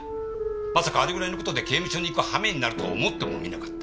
まさかあれぐらいの事で刑務所に行くはめになるとは思ってもみなかった。